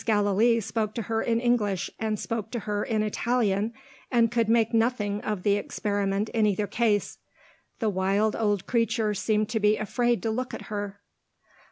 Gallilee spoke to her in English, and spoke to her in Italian and could make nothing of the experiment in either case. The wild old creature seemed to be afraid to look at her.